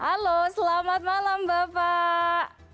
halo selamat malam bapak